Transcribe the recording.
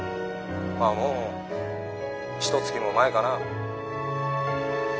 まあもうひとつきも前かな。